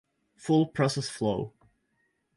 Full process flow.